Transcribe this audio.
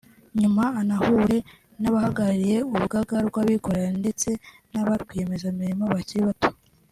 nyuma anahure n’abahagarariye Urugaga rw’Abikorera ndetse na ba rwiyemezamirimo bakiri bato